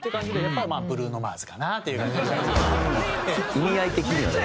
意味合い的にはね。